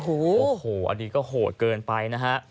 โอ้โหอันนี้ก็โหดเกินไปนะฮะ